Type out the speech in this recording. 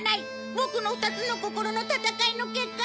ボクの２つの心の戦いの結果だ！